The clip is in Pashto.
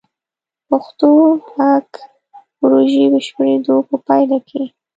د پښتو غږ پروژې بشپړیدو په پایله کې: